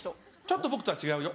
ちょっと僕とは違うよ。